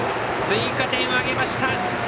追加点を挙げました。